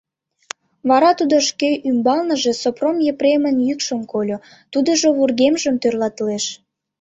Вара тудо шке ӱмбалныже Сопром Епремын йӱкшым кольо, тудыжо вургемжым тӧрлатылеш.